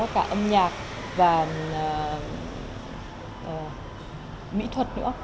cả âm nhạc và mỹ thuật nữa